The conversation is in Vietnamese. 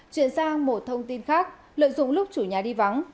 chuyển sang một thông tin khác lợi dụng lúc chủ nhà đi vắng